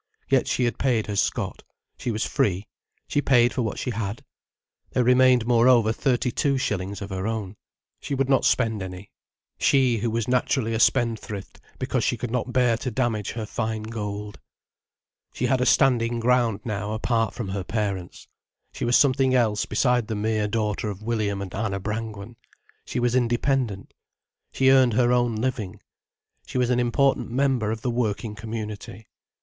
Yet she had paid her scot. She was free. She paid for what she had. There remained moreover thirty two shillings of her own. She would not spend any, she who was naturally a spendthrift, because she could not bear to damage her fine gold. She had a standing ground now apart from her parents. She was something else besides the mere daughter of William and Anna Brangwen. She was independent. She earned her own living. She was an important member of the working community.